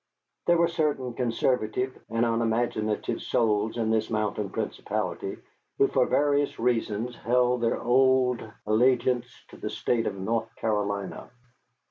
There were certain conservative and unimaginative souls in this mountain principality who for various reasons held their old allegiance to the State of North Carolina.